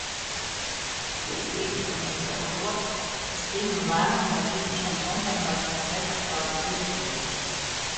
Priekšlikums ir par to, kas pieņem lēmumu par īpašuma kompensācijas sertifikātu lietojumu.